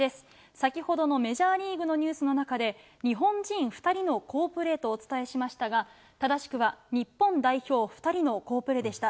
先ほどのメジャーリーグのニュースの中で、日本人２人の好プレーとお伝えしましたが、正しくは、日本代表２人の好プレーでした。